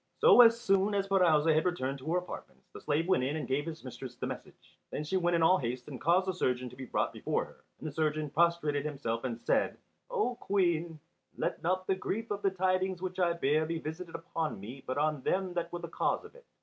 So, as soon as Pirouzè had returned to her apartments, the slave went in and gave his mistress the message. Then she sent in all haste and caused the surgeon to be brought before her. And the surgeon prostrated himself and said, "O Queen, let not the grief of the tidings which I bear be visited upon me but on them that were the cause of it."